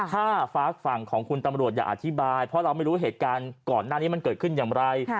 ถ้าฝากฝั่งของคุณตำรวจอย่าอธิบายเพราะเราไม่รู้เหตุการณ์ก่อนหน้านี้มันเกิดขึ้นอย่างไร